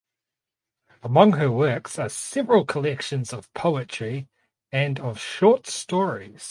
Among her works are several collections of poetry and of short stories.